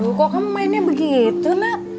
bu kok kamu mainnya begitu nak